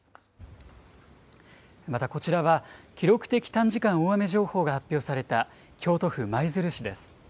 またこちらは、記録的短時間大雨情報が発表された京都府舞鶴市です。